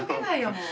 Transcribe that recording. もう。